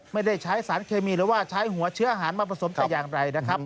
ไม่ได้ใช้สารเคมีหรือว่าใช้หัวเชื้ออาหารมาผสมแต่อย่างใดนะครับ